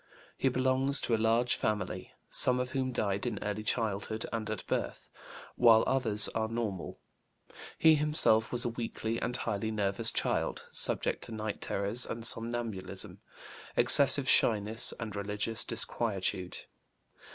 He belongs to a large family, some of whom died in early childhood and at birth, while others are normal. He himself was a weakly and highly nervous child, subject to night terrors and somnambulism, excessive shyness and religious disquietude.